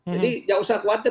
jadi jangan usah khawatir